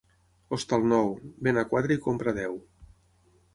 Hostal nou, ven a quatre i compra a deu.